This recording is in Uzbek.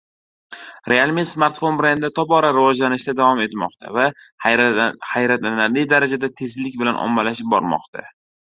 realme smartfon brendi tobora rivojlanishda davom etmoqda va hayratlanarli darajada, tezlik bilan ommalashib bormoqda